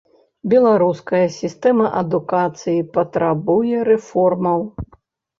Беларуская сістэма адукацыі патрабуе рэформаў.